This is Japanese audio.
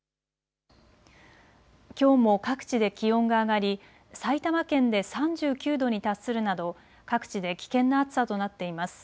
きょうも各地で気温が上がり埼玉県で３９度に達するなど各地で危険な暑さとなっています。